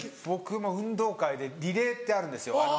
僕も運動会でリレーってあるんですよ。